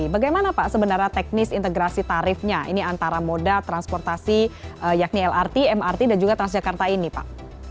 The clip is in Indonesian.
bagaimana pak sebenarnya teknis integrasi tarifnya ini antara moda transportasi yakni lrt mrt dan juga transjakarta ini pak